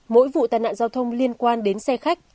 mỗi vụ tai nạn giao thông liên quan đến xe khách